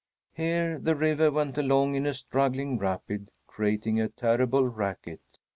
Here the river went along in a struggling rapid, creating a terrible racket.